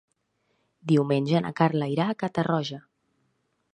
Diumenge na Carla irà a Catarroja.